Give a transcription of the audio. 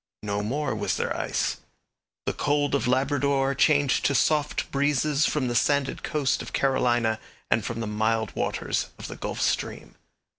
No more was there ice. The cold of Labrador changed to soft breezes from the sanded coast of Carolina and from the mild waters of the Gulf Stream.